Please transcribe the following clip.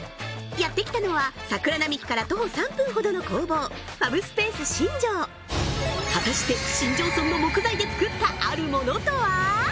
やって来たのは桜並木から徒歩３分ほどの工房果たして新庄村の木材で作ったあるものとは！？